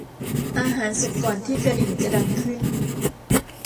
อาหารสุกก่อนที่กระดิ่งจะดังขึ้น